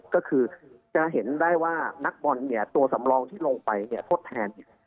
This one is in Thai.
ก็คือจะเห็นได้ว่านักบอลเนี่ยตัวสำรองที่ลงไปเนี่ยทดแทนเนี่ย